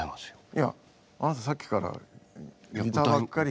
いやあなたさっきからギターばっかり弾いて。